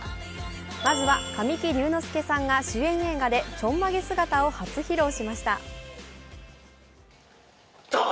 まずは神木隆之介さんが主演映画でちょんまげ姿を初披露しました。